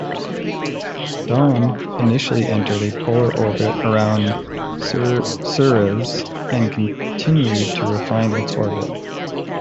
"Dawn" initially entered a polar orbit around Ceres, and continued to refine its orbit.